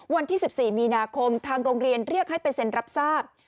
วันที่๑๔มีนาคมทางโรงเรียนเรียกให้ไปเซ็นรับทราบ